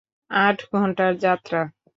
আট ঘণ্টার যাত্রা।